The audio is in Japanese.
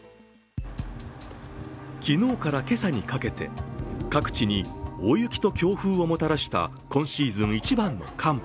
昨日から今朝にかけて各地に大雪と強風をもたらした今シーズン一番の寒波。